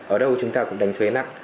ở đâu chúng ta cũng đánh thuế nặng